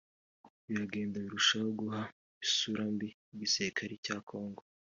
biragenda birushaho guha isura mbi igisirikare cya Congo